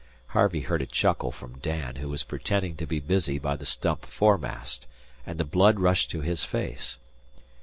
Harvey heard a chuckle from Dan, who was pretending to be busy by the stump foremast, and blood rushed to his face.